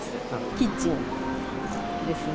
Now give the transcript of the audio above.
キッチンですね。